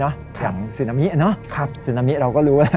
อย่างสื่นามิสื่นามิเราก็รู้